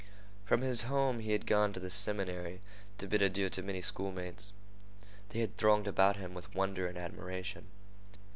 From his home he had gone to the seminary to bid adieu to many schoolmates. They had thronged about him with wonder and admiration.